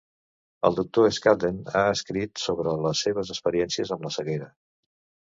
El doctor Scadden ha escrit sobre les seves experiències amb la ceguera.